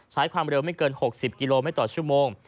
ใช้ความเร็วไม่เกิน๖๐กิโลเมตรต่อชั่วโมง